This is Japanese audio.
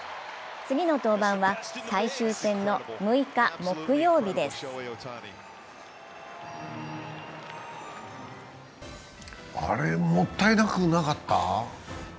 次の登板は最終戦の６日木曜日ですあれ、もったいなくなかった？